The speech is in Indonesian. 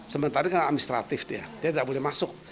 sementara ini kan administratif dia dia tidak boleh masuk